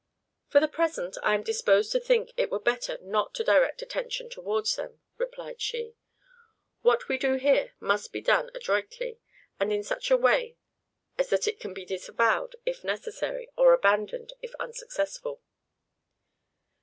"For the present, I am disposed to think it were better not to direct attention towards them," replied she. "What we do here must be done adroitly, and in such a way as that it can be disavowed if necessary, or abandoned if unsuccessful."